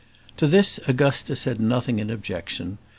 To this Augusta said nothing in objection.